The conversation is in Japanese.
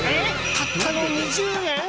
たったの２０円？